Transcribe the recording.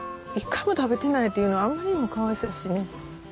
一回も食べてないっていうのはあんまりにもかわいそうやしね。